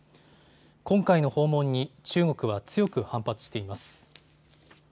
今回の訪問に中国は強く反発しています。